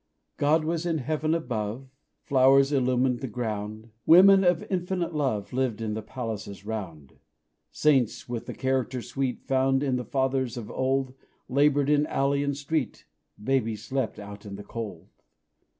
God was in heaven above, Flowers illumined the ground, Women of infinite love Lived in the palaces round Saints with the character sweet Found in the fathers of old, Laboured in alley and street Baby slept out in the cold.